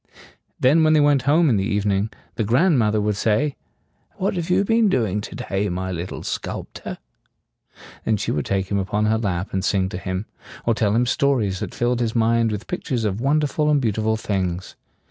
Then when they went home in the evening, the grand moth er would say, "What have you been doing to day, my little sculp tor?" And she would take him upon her lap and sing to him, or tell him stories that filled his mind with pictures of wonderful and beautiful things.